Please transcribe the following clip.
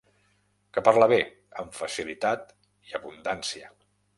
Que parla bé, amb facilitat i abundància.